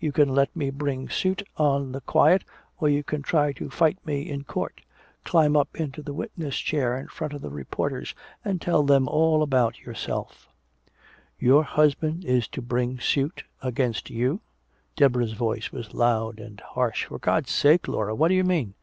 You can let me bring suit on the quiet or you can try to fight me in court, climb up into the witness chair in front of the reporters and tell them all about yourself!'" "Your husband is to bring suit against you?" Deborah's voice was loud and harsh. "For God's sake, Laura, what do you mean?"